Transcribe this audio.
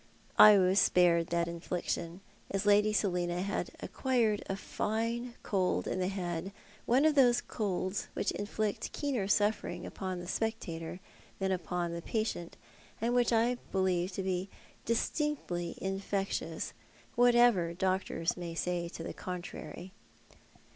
I was spared that infliction, as Lady Selina had acquired, a fine cold iu the head, one of those colds which inflict keener suffering upon the spectator than upon the patient, and which I believe to be distinctly infectious, what ever doctors may say to the contrary.